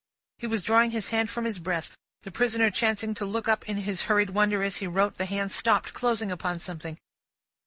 '" He was drawing his hand from his breast; the prisoner chancing to look up in his hurried wonder as he wrote, the hand stopped, closing upon something.